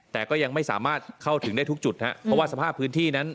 แต่ก็ยังไม่สามารถเข้าถึงได้ทุกจุดครับเพราะว่าสภาพพื้นที่นั้น